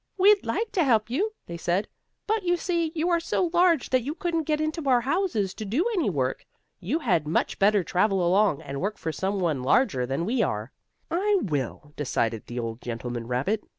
"We'd like to help you," they said, "but you see you are so large that you couldn't get into our houses to do any work. You had much better travel along, and work for some one larger than we are." "I will," decided the old gentleman rabbit.